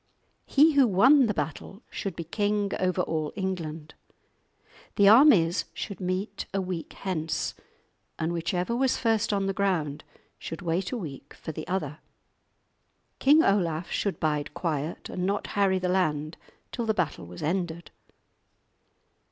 He who won the battle should be king over all England. The armies should meet a week hence, and whichever was first on the ground should wait a week for the other. King Olaf should bide quiet, and not harry the land till the battle was ended.